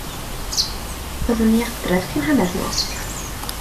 Byddwn ni adref cyn hanner nos.